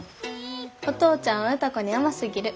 お父ちゃんは歌子に甘すぎる。